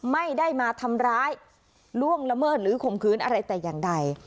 ไม่ได้มาทำร้ายล่วงละเมิดหรือข่มขืนอะไรแต่อย่างใด